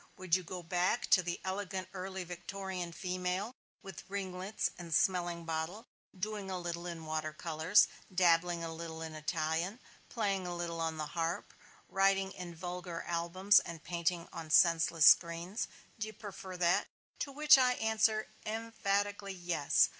Would you go back to the elegant early Victorian female, with ringlets and smelling bottle, doing a little in water colors, dabbling a little in Italian, playing a little on the harp, writing in vulgar albums and painting on senseless screens? Do you prefer that?" To which I answer, "Emphatically, yes."